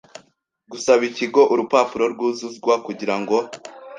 gusaba Ikigo urupapuro rwuzuzwa kugira ngo